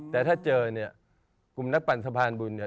แต่ถ้าเจอเนี่ยกลุ่มนักปั่นสะพานบุญเนี่ย